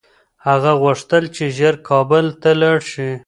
هغه غوښتل چي ژر کابل ته لاړ شي.